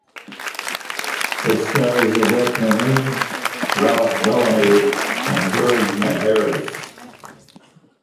It stars Yvette Mimieux, Ralph Bellamy, and George Maharis.